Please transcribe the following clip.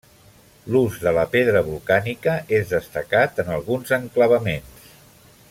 L'ús de la pedra volcànica és destacat en alguns enclavaments.